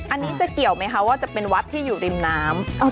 อันนี้จะเกี่ยวไหมคะว่าจะเป็นวัดที่อยู่ริมน้ำ